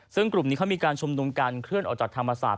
ซึ่งกลุ่มนี้เขามีการชุมนุมการเคลื่อนออกจากธรรมศาสต